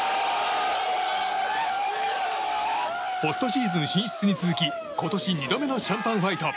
ポストシーズン進出に続き今年２度目のシャンパンファイト。